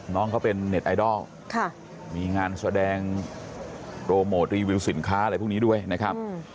น้องเขาเป็นเน็ตไอดอลมีงานแสดงโปรโมทรีวิวสินค้าอะไรพวกนี้ด้วยนะครับ